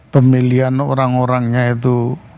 pemilihan orang orangnya itu